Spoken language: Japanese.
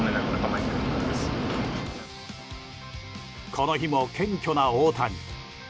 この日も謙虚な大谷。